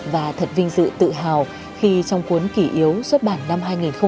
và thật vinh dự tự hào khi trong cuốn kỷ yếu xuất bản năm hai nghìn một mươi tám